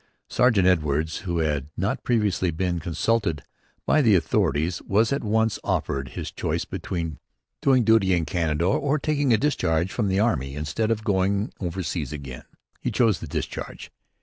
Sergeant Edwards, who had not previously been consulted by the authorities, was at once offered his choice between doing "duty" in Canada or taking a discharge from the army, instead of going overseas again. He chose the discharge.